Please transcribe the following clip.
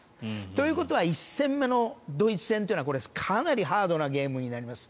ということは１戦目のドイツ戦というのはかなりハードなゲームになります。